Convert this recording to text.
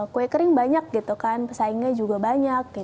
kue kering banyak pesaingnya juga banyak